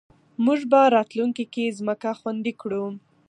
موږ به راتلونکې کې ځمکه خوندي کړو.